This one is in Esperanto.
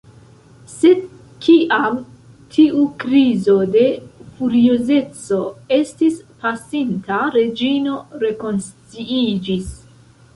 Sed, kiam tiu krizo de furiozeco estis pasinta, Reĝino rekonsciiĝis.